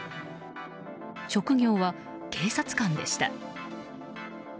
職業は、警察官でした。